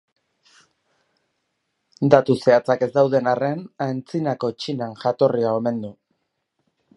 Datu zehatzak ez dauden arren, antzinako Txinan jatorria omen du.